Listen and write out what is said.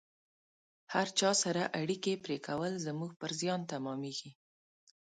هر چا سره اړیکې پرې کول زموږ پر زیان تمامیږي